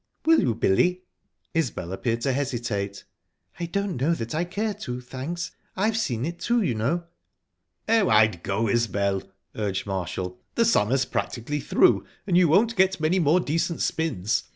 "Will you, Billy?" Isbel appeared to hesitate..."I don't know that I care to, thanks. I've seen it, too, you know." "Oh, I'd go, Isbel," urged Marshall. "The summer's practically through, and you won't get many more decent spins.